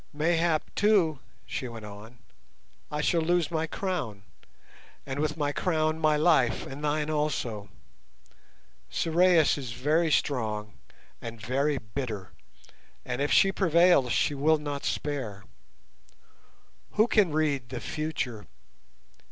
"Mayhap, too," she went on, "I shall lose my crown, and with my crown my life and thine also. Sorais is very strong and very bitter, and if she prevails she will not spare. Who can read the future?